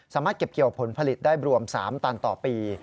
สามารถเก็บเกี่ยวผลผลิตได้รวม๓ตันต่อปี